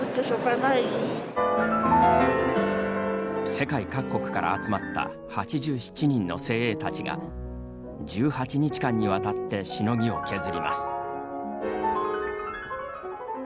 世界各国から集まった８７人の精鋭たちが１８日間にわたってしのぎを削ります。